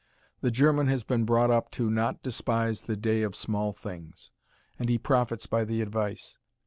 The German has been brought up to not "despise the day of small things," and he profits by the advice.